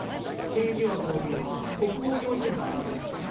政治は五流、国防においても同じですよね。